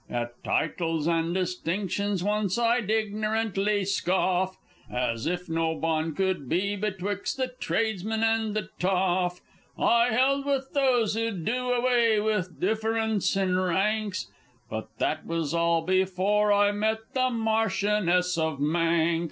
At titles and distinctions once I'd ignorantly scoff, As if no bond could be betwixt the tradesman and the toff! I held with those who'd do away with difference in ranks But that was all before I met the Marchioness of Manx!